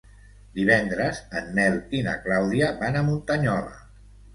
Divendres en Nel i na Clàudia van a Muntanyola.